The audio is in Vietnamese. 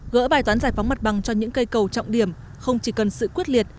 gỡ bài toán giải phóng mặt bằng cho những cây cầu trọng điểm không chỉ cần sự quyết liệt